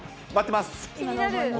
待ってます。